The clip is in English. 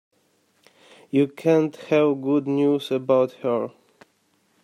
You can't have good news about her.